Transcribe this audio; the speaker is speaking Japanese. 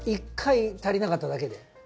１回足りなかっただけで？